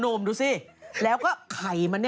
หนุ่มดูสิแล้วก็ไข่มัน